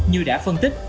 như đã phân tích